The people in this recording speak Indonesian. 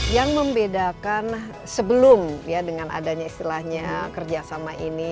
yang membedakan sebelum ya dengan adanya istilahnya kerjasama ini